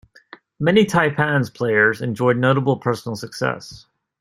Many Taipans players enjoyed notable personal success.